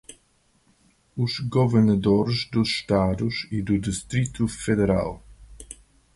os governadores dos Estados e do Distrito Federal;